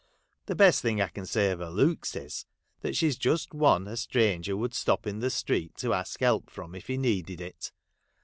The best thing I can say of her looks is, that she 's just one a stranger would stop in the street to ask help from if he needed it.